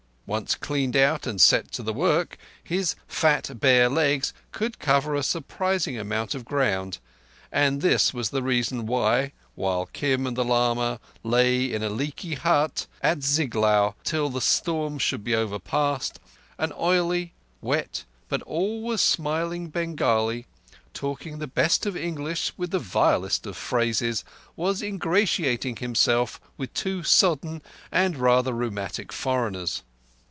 Once cleaned out and set to the work, his fat bare legs could cover a surprising amount of ground, and this was the reason why, while Kim and the lama lay in a leaky hut at Ziglaur till the storm should be over past, an oily, wet, but always smiling Bengali, talking the best of English with the vilest of phrases, was ingratiating himself with two sodden and rather rheumatic foreigners.